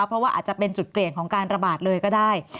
เพราะว่าอาจจะเป็นจุดเปลี่ยนของการระบาดเลยก็ได้